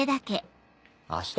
明日？